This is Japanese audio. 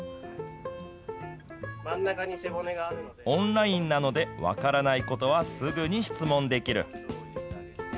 オンラインなので、分からないことはすぐに質問できる。